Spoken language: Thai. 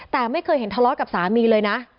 แต่ไม่เคยเห็นทะเลาะกับสามีเลยนะ